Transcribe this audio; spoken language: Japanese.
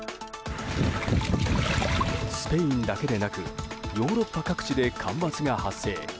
スペインだけでなくヨーロッパ各地で干ばつが発生。